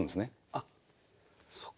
あっそこ。